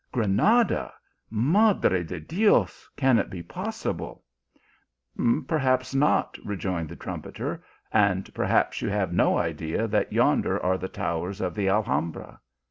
" Granada ! Madre de Dios ! can it be possible !"" Perhaps not !" rejoined the trumpeter, " and perhaps you have no idea that yonder are the towers of the Alhambra?